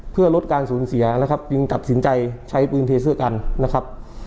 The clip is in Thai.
เพื่อลดการสูญเสียนะครับจึงตัดสินใจใช้ปืนเทเสื้อกันนะครับ